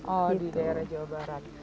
oh di daerah jawa barat